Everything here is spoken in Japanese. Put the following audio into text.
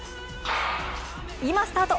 今スタート。